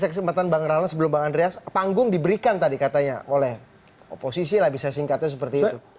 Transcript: saya kesempatan bang rala sebelum bang andreas panggung diberikan tadi katanya oleh oposisi lah bisa singkatnya seperti itu